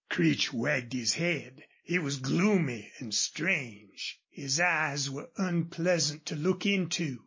Creech wagged his head. He was gloomy and strange. His eyes were unpleasant to look into.